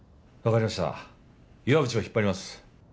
わかりました岩淵を引っ張ります。